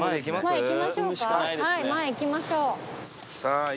行きましょう！